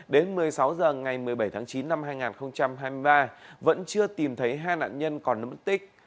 đến một mươi sáu h ngày một mươi bảy tháng chín năm hai nghìn hai mươi ba vẫn chưa tìm thấy hai nạn nhân còn nấm tích